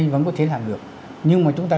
vẫn có thể làm được nhưng mà chúng ta